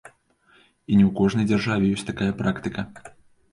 І не ў кожнай дзяржаве ёсць такая практыка.